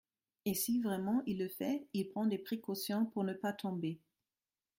et si vraiment il le fait, il prend des précautions pour ne pas tomber.